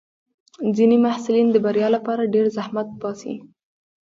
ځینې محصلین د بریا لپاره ډېر زحمت باسي.